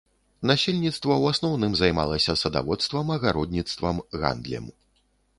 Насельніцтва ў асноўным займалася садаводствам, агародніцтвам, гандлем.